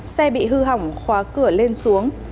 xe bị hư hỏng khóa cửa lên xuống